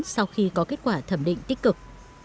sau khi có kết quả thẩm định tích cực